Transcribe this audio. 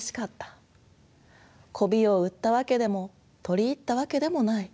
媚を売ったわけでも取り入ったわけでもない。